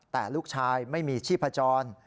แต่ลูกชายไม่มีชีพจร